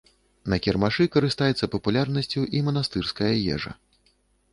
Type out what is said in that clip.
На кірмашы карыстаецца папулярнасцю і манастырская ежа.